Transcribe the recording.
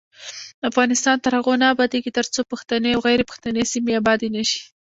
افغانستان تر هغو نه ابادیږي، ترڅو پښتني او غیر پښتني سیمې ابادې نشي.